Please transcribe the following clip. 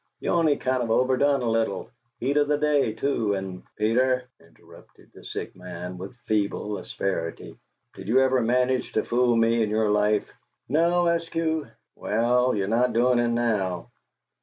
You only kind of overdone a little heat o' the day, too, and " "Peter," interrupted the sick man, with feeble asperity, "did you ever manage to fool me in your life?" "No, Eskew." "Well, you're not doin' it now!"